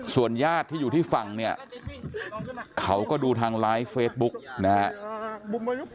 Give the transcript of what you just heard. ส่วนญาติที่อยู่ที่ฝั่งเนี่ยเขาก็ดูทางไลฟ์เฟซบุ๊กนะฮะ